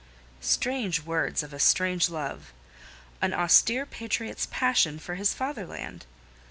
Strange words of a strange love! An austere patriot's passion for his fatherland!